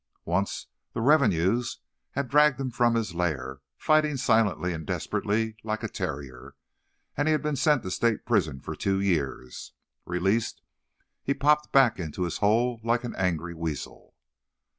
Once the "revenues" had dragged him from his lair, fighting silently and desperately like a terrier, and he had been sent to state's prison for two years. Released, he popped back into his hole like an angry weasel.